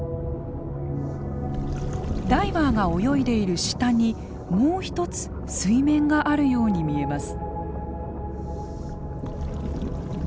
ダイバーが泳いでいる下にもう一つ水面があるように見えます。